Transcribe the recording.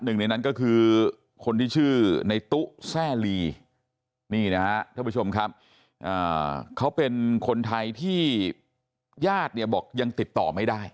หนึ่งในนั้นก็คือคนที่ชื่อในตู้แซ่ลีนี่นะฮะท่านผู้ชมครับเขาเป็นคนไทยที่ญาติเนี่ยบอกยังติดต่อไม่ได้